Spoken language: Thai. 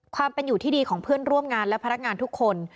ความเป็นอยู่ที่ดีของเพื่อนร่วมงานและพนักงานทุกคน